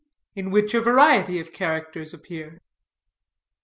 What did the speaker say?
IN WHICH A VARIETY OF CHARACTERS APPEAR.